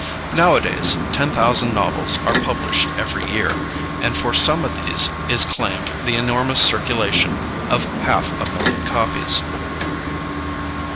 Nowadays ten thousand novels are published every year, and for some of these is claimed the enormous circulation of half a million copies.